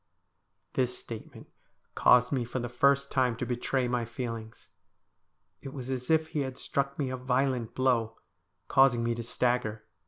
This statement caused me for the first time to betray my feelings. It was as if he had struck me a violent blow, causing me to stagger.